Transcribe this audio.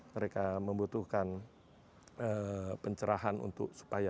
mereka membutuhkan pencerahan untuk supaya